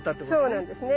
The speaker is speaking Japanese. そうなんですね。